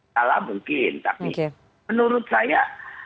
salah mungkin tapi menurut saya